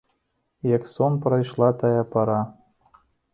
Як сон прайшла тая пара.